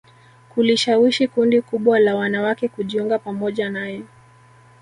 kulishawishi kundi kubwa la wanawake kujiunga pamoja naye